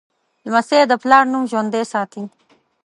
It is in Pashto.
لمسی د پلار نوم ژوندی ساتي.